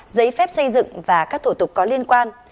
giấy phép xây dựng và các thủ tục có liên quan